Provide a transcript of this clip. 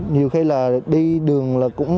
nhiều khi là đi đường